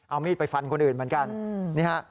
เอามีดไปฟันคนอื่นเหมือนกันนี่ฮะ